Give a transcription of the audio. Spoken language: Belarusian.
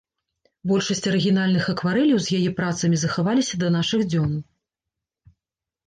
Большасць арыгінальных акварэляў з яе працамі захаваліся да нашых дзён.